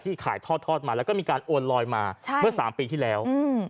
ที่ขายทอดมาแล้วก็มีการโอนลอยมาเมื่อ๓ปีที่แล้ว